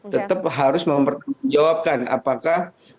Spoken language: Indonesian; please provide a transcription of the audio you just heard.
tetap harus menjawabkan apakah